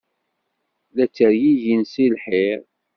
La ttergigin seg lḥir.